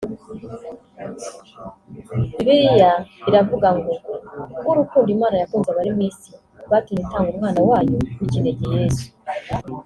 Bibiliya iravuga ngo ku bw'urukundo Imana yakunze abari mu isi rwatumye itanga umwana wayo w'ikinege yesu